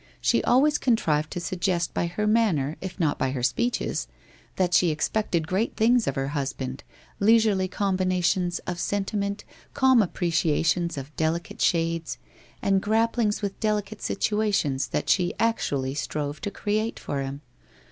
She always contrived to sug gest by her manner, if not by her speeches, that she ex pected great things of her husband, leisurely combinations of sentiment, calm appreciations of delicate shades, and grapplings with delicate situations that she actually strove to create for him.